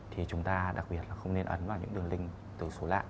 thì chúng ta đặc biệt là không nên ấn vào những đường link từ số lạ